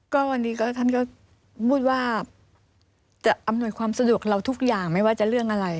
ก็วันนี้ก็ท่านก็พูดว่าจะอำนวยความสะดวกเราทุกอย่างไม่ว่าจะเรื่องอะไร